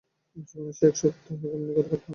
জীবনের সেই এক সপ্তক এমনি করে কাটল।